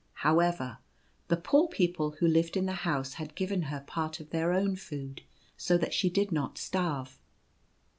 However, the poor people who lived, in the house had given her part of their own food, so that she did not starve.